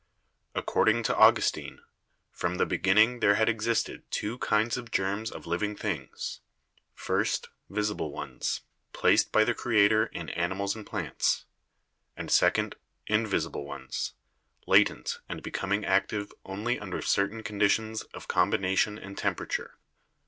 According to Augustine, from the beginning there had existed two kinds of germs of living things : first, visible ones, placed by the Creator in animals and plants; and second, invisible ones, latent and becoming active only under certain con ditions of combination and temperature.